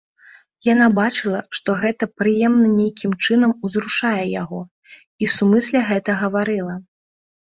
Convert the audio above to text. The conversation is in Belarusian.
Яна бачыла, што гэта прыемна нейкім чынам узрушае яго, і сумысля гэта гаварыла.